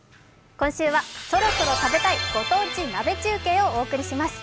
今週は、そろそろ食べたいご当地鍋中継をお送りします。